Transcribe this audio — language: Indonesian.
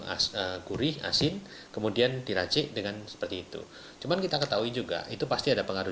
as gurih asin kemudian diracik dengan seperti itu cuman kita ketahui juga itu pasti ada pengaruh